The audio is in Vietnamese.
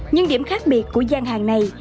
nhưng điểm khác biệt của gian hàng này